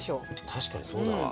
確かにそうだわ。